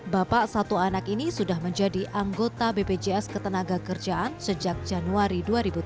bapak satu anak ini sudah menjadi anggota bpjs ketenagakerjaan sejak januari dua ribu tiga